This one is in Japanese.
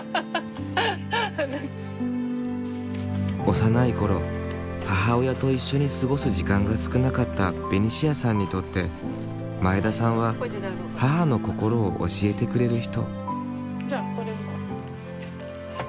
幼い頃母親と一緒に過ごす時間が少なかったベニシアさんにとって前田さんは母の心を教えてくれる人。